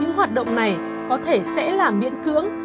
nhưng hoạt động này có thể sẽ làm miễn cưỡng